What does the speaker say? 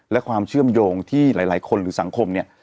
และความเชื่อมโยงที่หลายคนหรือสังคมเนี่ย